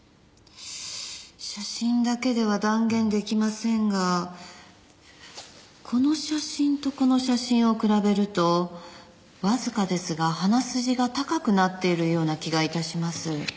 写真だけでは断言できませんがこの写真とこの写真を比べるとわずかですが鼻筋が高くなっているような気がいたします。